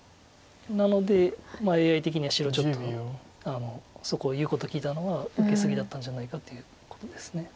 なのでＡＩ的には白ちょっとそこ言うこと聞いたのは受け過ぎだったんじゃないかということです。